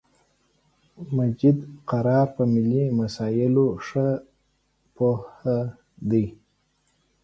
مجید قرار په ملی مسایلو خه پوهه دی